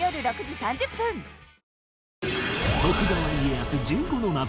徳川家康１５の謎